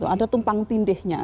ada tumpang tindihnya